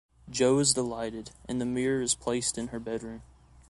Jo is delighted, and the mirror is placed in her bedroom.